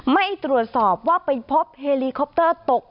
ไม่ตรวจสอบว่าไปพบเฮลีคอปเตอร์ตก